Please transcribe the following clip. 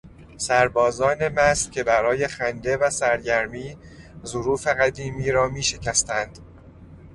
سربازان مست که برای خنده و سرگرمی ظروف قدیمی را میشکستند.